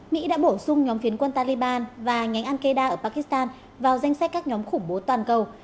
mỹ đã bổ sung nhóm phiến quân taliban và nhánh aneda ở pakistan vào danh sách các nhóm khủng bố toàn cầu